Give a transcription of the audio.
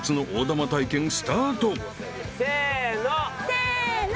せの。